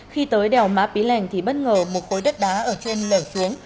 khi tới đèo má pí lành thì bất ngờ một cối đất đá ở trên lở xuống